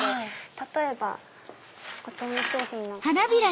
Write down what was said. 例えばこちらの商品なんかも。